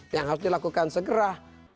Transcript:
yang harus dilakukan segera